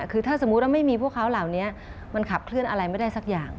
คือถ้าสมมุติว่าไม่มีพวกเขาเหล่านี้มันขับเคลื่อนอะไรไม่ได้สักอย่าง